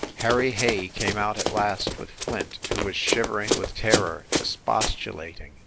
Harry Hay came out at last with Flint, who was shivering with terror, expostulating.